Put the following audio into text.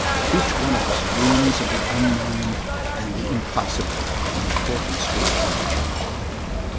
Each one of us dreams of the unknown and the impossible in accordance with his nature.